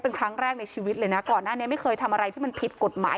เป็นครั้งแรกในชีวิตเลยนะก่อนหน้านี้ไม่เคยทำอะไรที่มันผิดกฎหมาย